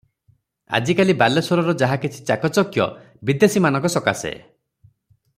ଆଜିକାଲି ବାଲେଶ୍ୱରର ଯାହାକିଛି ଚାକଚକ୍ୟ ବିଦେଶୀମାନଙ୍କ ସକାଶେ ।